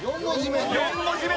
４文字目。